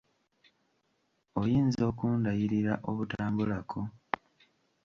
Oyinza okundayirira obutambulako?